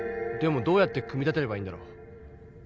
でもどうやって組み立てればいいんだろう。